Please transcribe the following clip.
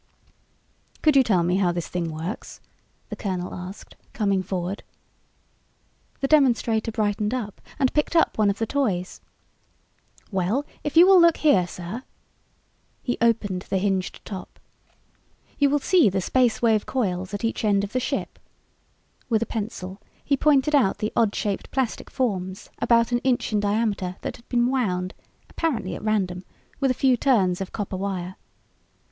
"Could you tell me how this thing works?" the colonel asked, coming forward. The demonstrator brightened up and picked up one of the toys. "Well, if you will look here, sir...." He opened the hinged top. "You will see the Space Wave coils at each end of the ship." With a pencil he pointed out the odd shaped plastic forms about an inch in diameter that had been wound apparently at random with a few turns of copper wire.